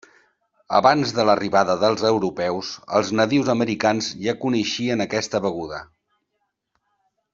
Abans de l'arribada dels europeus els nadius americans ja coneixien aquesta beguda.